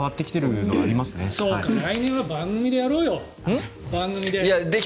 来年は番組でやろうよ。